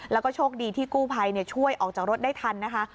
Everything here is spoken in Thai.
แล้วก็โชคดีที่กู้ภัยช่วยออกจากรถได้ทันนะคะ